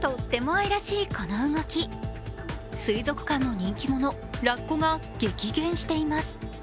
とっても愛らしいこの動き水族館の人気者・ラッコが激減しています。